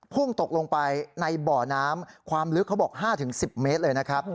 พุ่งตกลงไปในบ่อน้ำความลึกเขาบอก๕๑๐เมตรเลยนะครับ